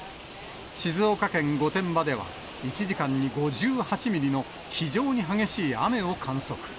静岡県御殿場では、１時間に５８ミリの非常に激しい雨を観測。